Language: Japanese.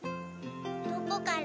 どこから？